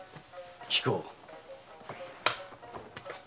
聞こう。